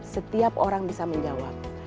setiap orang bisa menjawab